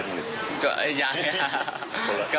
แต่ยืนยันว่าลูกค้าถูกรางวัลใหญ่๑๕ใบจริงและก็รับลอตเตอรี่ไปแล้วด้วยนะครับ